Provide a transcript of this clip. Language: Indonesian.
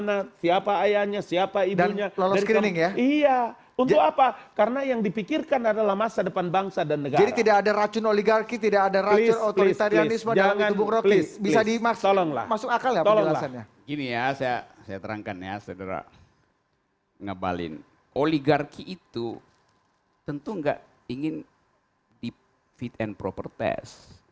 ngebalin oligarki itu tentu nggak ingin di fit and proper test